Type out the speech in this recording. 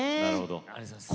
ありがとうございます。